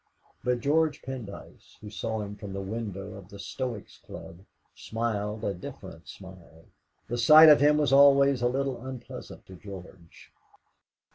But George Pendyce, who saw him from the window of the Stoics' Club, smiled a different smile; the sight of him was always a little unpleasant to George.